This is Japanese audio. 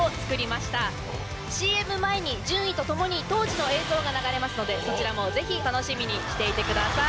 ＣＭ前に順位とともに当時の映像が流れますのでそちらもぜひ楽しみにしていてください。